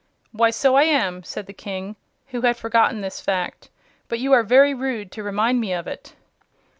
"Why, so I am!" said the King, who had forgotten this fact; "but you are very rude to remind me of it."